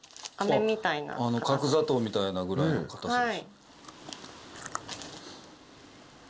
角砂糖みたいなぐらいの硬さです。